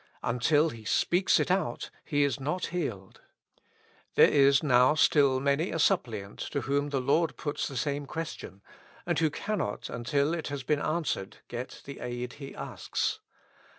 Until he speaks it out, he is not healed. There is now still many a suppliant to whom the Lord puts the same question, and who cannot until it has been answered, get the aid he asks.